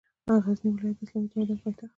د غزني ولایت د اسلامي تمدن پاېتخت ده